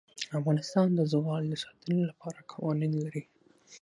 افغانستان د زغال د ساتنې لپاره قوانین لري.